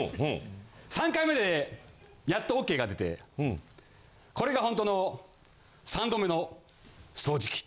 ３回目でやっとＯＫが出てこれがホントの３度目の掃除機。